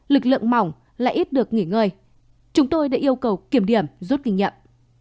lực lượng mỏng lại ít được nghỉ ngơi chúng tôi đã yêu cầu kiểm điểm rút kinh nghiệm